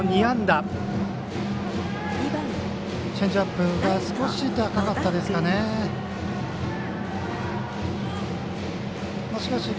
チェンジアップが少し高かったですかね。